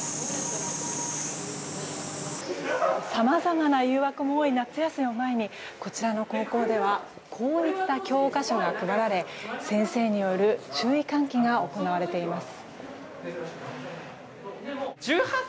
さまざまな誘惑も多い夏休みを前にこちらの高校ではこういった教科書が配られ先生による注意喚起が行われています。